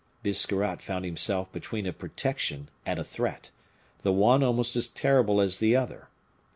Biscarrat found himself between a protection and a threat, the one almost as terrible as the other.